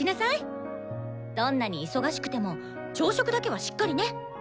どんなに忙しくても朝食だけはしっかりね！